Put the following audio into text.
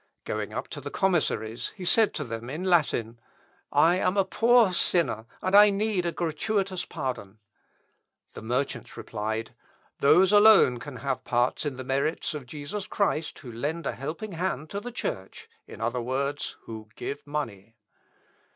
Going up to the commissaries, he said to them in Latin, "I am a poor sinner, and need a gratuitous pardon!" The merchants replied, "Those alone can have part in the merits of Jesus Christ who lend a helping hand to the Church, in other words, who give money."